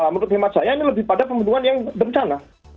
menurut khidmat saya ini lebih pada pembunuhan yang berencana